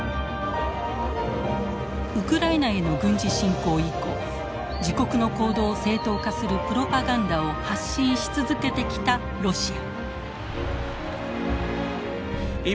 ウクライナへの軍事侵攻以降自国の行動を正当化するプロパガンダを発信し続けてきたロシア。